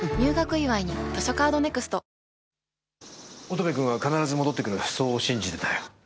乙部君は必ず戻ってくるそう信じてたよ。